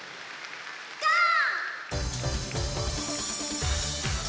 ゴー！